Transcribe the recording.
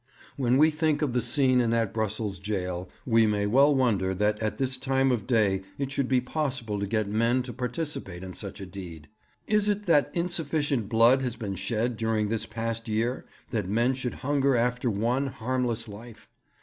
'When we think of the scene in that Brussels jail we may well wonder that at this time of day it should be possible to get men to participate in such a deed. Is it that insufficient blood has been shed during this past year that men should hunger after one harmless life?